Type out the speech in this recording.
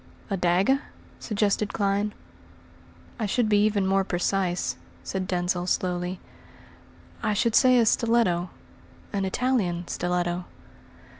"A dagger?" suggested Clyne. "I should be even more precise," said Denzil slowly. "I should say a stiletto an Italian stiletto."